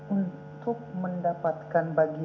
untuk mendapatkan uang dari cbk